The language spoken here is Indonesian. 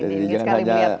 jadi jangan hanya